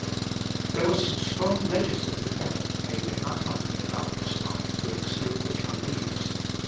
There was some strong legislative effort made in our country about this time to exclude the Chinese.